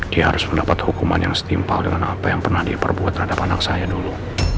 dia harus mendapat hukuman yang setimpal dengan apa yang pernah dia perbuat terhadap anak saya dulu